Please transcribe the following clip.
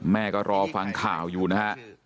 แม่ก็รอฟังข่าวอยู่นะฮะ